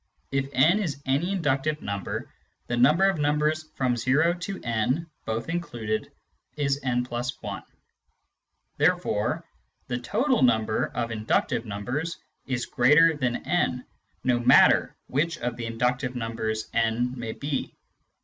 If n is any inductive number, the number of numbers from o to n (both included) is n \\; therefore the total number of inductive numbers is greater than n, no matter which of the inductive numbers n may be.